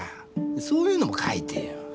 そういうのも書いてよ。